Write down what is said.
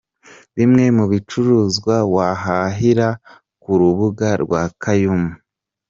Bimwe mu bicuruzwa wahahira ku rubuga rwa Kaymu.